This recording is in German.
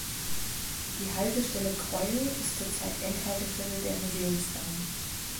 Die Haltestelle Greuel ist zurzeit Endhaltestelle der Museumsbahn.